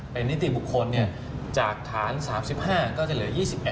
เป็นนิติบุคคลจากฐาน๓๕ก็จะเหลือ๒๑